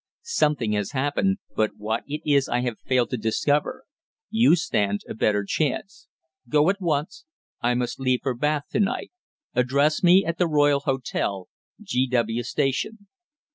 Something has happened, but what it is I have failed to discover. You stand a better chance. Go at once. I must leave for Bath to night. Address me at the Royal Hotel, G. W. Station.